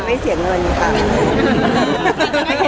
ไม่เสียเงินค่ะ